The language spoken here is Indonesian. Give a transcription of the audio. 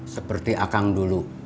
seperti akang dulu